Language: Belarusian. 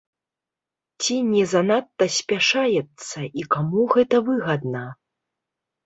Ці не занадта спяшаецца і каму гэта выгадна?